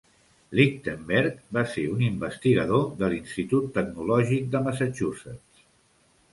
Lichtenberg va ser un investigador de l'Institut Tecnològic de Massachusetts.